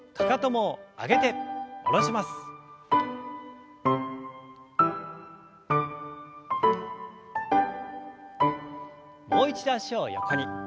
もう一度脚を横に。